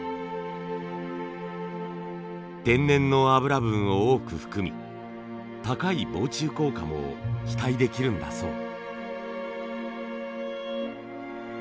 天然の油分を多く含み高い防虫効果も期待できるんだそう。